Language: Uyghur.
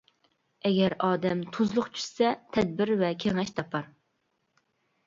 ئەگەر ئادەم تۇزلۇق چۈشىسە تەدبىر ۋە كېڭەش تاپار.